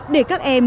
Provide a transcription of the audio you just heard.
để các em